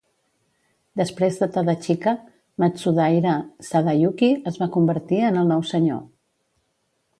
Després de Tadachika, Matsudaira Sadayuki es va convertir en el nou senyor.